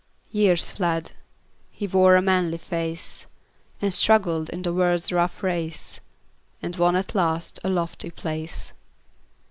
Years fled; he wore a manly face, And struggled in the world's rough race, And won at last a lofty place.